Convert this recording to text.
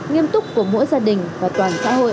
nghiêm túc của mỗi gia đình và toàn xã hội